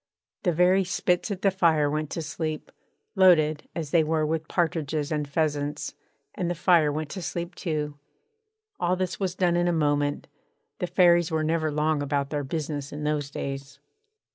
The very spits at the fire went to sleep, loaded as they were with partridges and pheasants; and the fire went to sleep too. All this was done in a moment: the Fairies were never long about their business in those days.